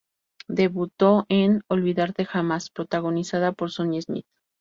Debutó en "Olvidarte jamás", protagonizada por Sonya Smith.